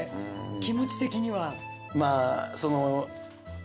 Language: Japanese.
気持ち的には。